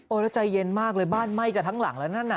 แล้วใจเย็นมากเลยบ้านไหม้จะทั้งหลังแล้วนั่นน่ะ